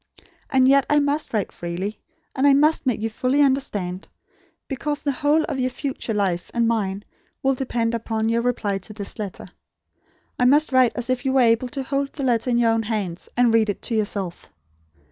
And yet, I must write freely; and I must make you fully understand; because the whole of your future life and mine will depend upon your reply to this letter. I must write as if you were able to hold the letter in your own hands, and read it to yourself.